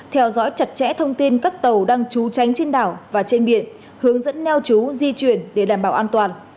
theo dõi chặt chẽ thông tin các tàu đang trú tránh trên đảo và trên biển hướng dẫn neo chú di chuyển để đảm bảo an toàn